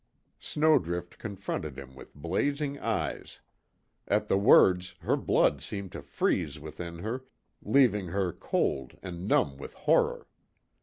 Snowdrift confronted him with blazing eyes: At the words her blood seemed to freeze within her, leaving her cold and numb with horror.